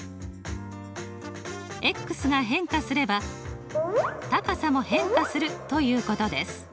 が変化すれば高さも変化するということです。